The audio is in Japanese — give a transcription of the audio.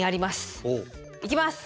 いきます！